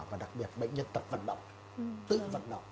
và đặc biệt bệnh nhân tập vận động tự vận động